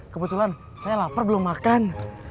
kebetulan saya lapar belum makan